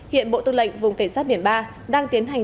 hiện bộ tư lệnh vùng cảnh sát biển ba đang tiến hành